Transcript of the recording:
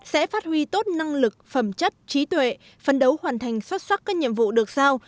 sẽ phát huy tốt năng lực phẩm chất trí tuệ phân đấu hoàn thành xuất xuất các nhiệm vụ được giao